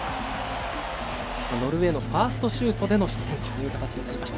ノルウェーのファーストシュートでの失点となりました。